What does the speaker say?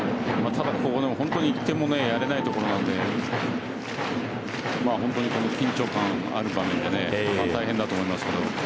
ただここは本当に１点もやれないところなので本当にこの緊張感がある場面で大変だと思いますけど。